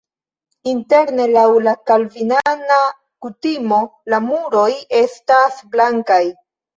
Interne laŭ la kalvinana kutimo la muroj estas blankaj.